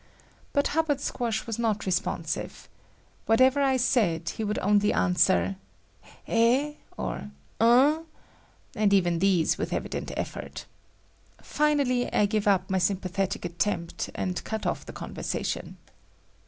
But Hubbard Squash was not responsive. Whatever I said, he would only answer "eh?" or "umh," and even these with evident effort. Finally I gave up my sympathetic attempt and cut off the conversation.